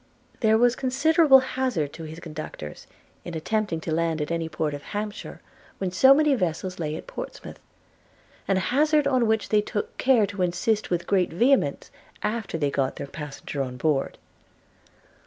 There was considerable hazard to his conductors in attempting to land at any port of Hampshire, when so many vessels lay at Portsmouth; an hazard on which they took care to insist with great vehemence, after they had got their passenger on board.